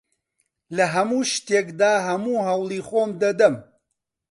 لە هەموو شتێکدا هەموو هەوڵی خۆم دەدەم.